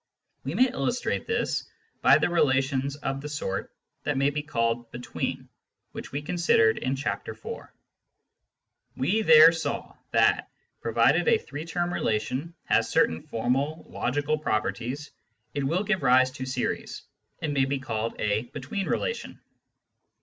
We may illustrate this by the relations of the sort that may be called " between," which we considered in Chapter IV. We there saw that, provided a three term relation has certain formal logical properties, it will give rise to series, and may be called a " between relation."